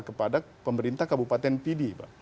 kepada pemerintah kabupaten pd